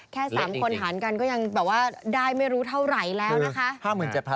แค่๓คนหารกันก็ยังแบบว่าได้ไม่รู้เท่าไหร่แล้วนะคะ